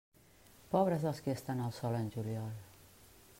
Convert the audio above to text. Pobres dels qui estan al sol en juliol.